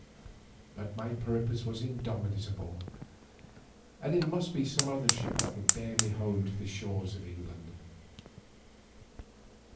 But my purpose was indomitable, and it must be some other ship that would bear me home to the shores of England.